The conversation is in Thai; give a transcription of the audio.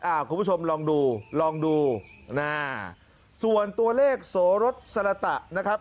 อ่าพวกคุณผู้ชมลองดูส่วนตัวเลขสวนสระตะนะครับ